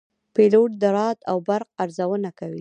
پیلوټ د رعد او برق ارزونه کوي.